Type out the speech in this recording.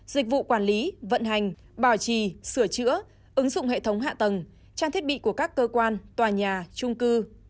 dịch vụ quản lý vận hành bảo trì sửa chữa ứng dụng hệ thống hạ tầng trang thiết bị của các cơ quan tòa nhà trung cư